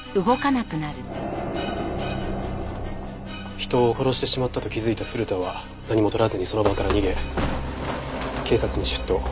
人を殺してしまったと気づいた古田は何も取らずにその場から逃げ警察に出頭。